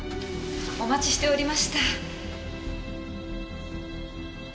お待ちしておりました。